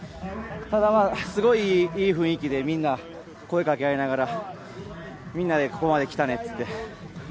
ただ、すごいいい雰囲気でみんな声をかけ合いながらみんなでここまで来たねっていって。